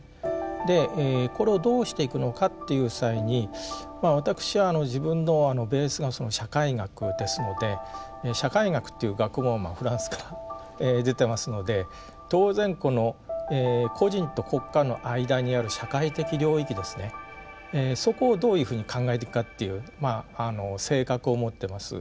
でこれをどうしていくのかという際に私は自分のベースが社会学ですので社会学っていう学問はフランスから出てますので当然この個人と国家の間にある社会的領域ですねそこをどういうふうに考えていくかっていう性格を持ってます。